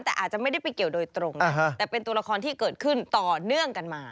แต่อาจจะไม่ได้ไปเกี่ยวโดยตรงนะแต่เป็นตัวละครที่เกิดขึ้นต่อเนื่องกันมา